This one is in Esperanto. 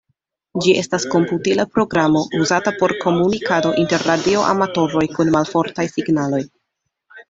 Ĝi estas komputila programo uzata por komunikado inter radio-amatoroj kun malfortaj signaloj.